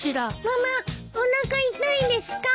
ママおなか痛いですか？